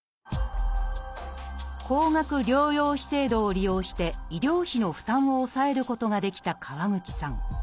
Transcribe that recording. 高額療養費制度を利用して医療費の負担を抑えることができた川口さん